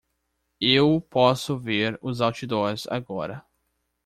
Eu posso ver os outdoors agora.